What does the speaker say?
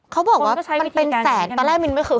เขาบอกว่ามันเป็นแสนตอนแรกมินไม่เคย